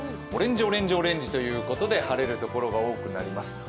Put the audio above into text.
オレンジ、オレンジということで晴れるところが多くなります。